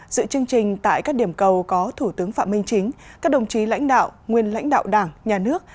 dự chương trình tại các điểm cầu có thủ tướng phạm minh chính các đồng chí lãnh đạo nguyên lãnh đạo đảng nhà nước